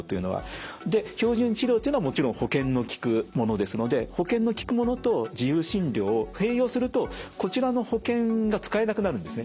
標準治療というのはもちろん保険のきくものですので保険のきくものと自由診療を併用するとこちらの保険が使えなくなるんですね。